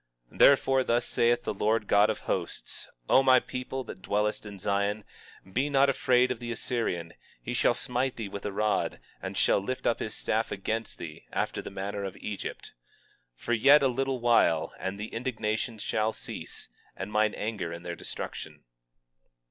20:24 Therefore, thus saith the Lord God of Hosts: O my people that dwellest in Zion, be not afraid of the Assyrian; he shall smite thee with a rod, and shall lift up his staff against thee, after the manner of Egypt. 20:25 For yet a very little while, and the indignation shall cease, and mine anger in their destruction.